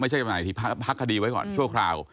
ไม่ใช่จำหน่ายฟักขดีไว้ชั่วคราว